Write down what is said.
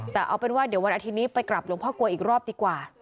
แต่เอาเป็นว่าเดี๋ยววันอาทิตย์นี้ไปกลับหลวงพ่อกลัวอีกรอบดีกว่า